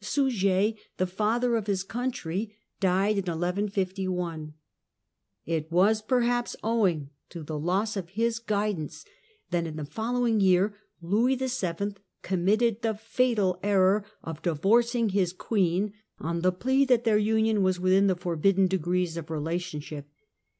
Suger, the "father of his country," died early in 1151. It was perhaps owing to the loss of his guidance that in the following year Louis VII. committed the fatal error Divorce of of divorcing his queen, on the plea that their union was Eleanor, within the forbidden degrees of relationship.